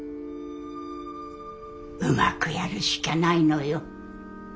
うまくやるしかないのよ。